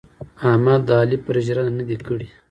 احمد د علي پر ژنده نه دي کړي.